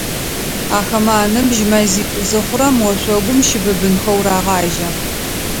Ахэмэ аныбжь мэзитӏу зыхъурэм, ошъогум щыбыбынхэу рагъажьэ.